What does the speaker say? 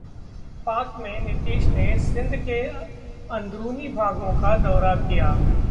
पाक में नीतीश ने सिंध के अंदरूनी भागों का दौरा किया